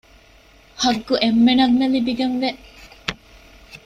ޙައްޤު އެންމެނަށްމެ ލިބިގެންވޭ